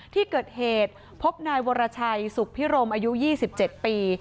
ที่เกิดเหตุพบนายวรชัยสุขพิรมอายุ๒๗ปี